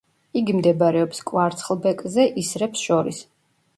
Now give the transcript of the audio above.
იგი მდებარეობს კვარცხლბეკზე ისრებს შორის.